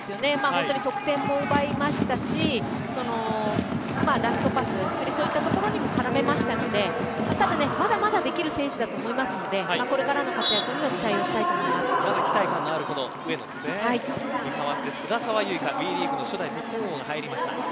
本当に得点も奪いましたしラストパスそういったところにも絡めましたのでまだまだできる選手だと思いますのでこれからの活躍にも上野に代わって菅澤優依香。が入りました。